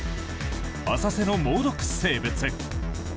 浅瀬の猛毒生物。